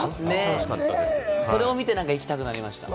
それを見て行きたくなりました。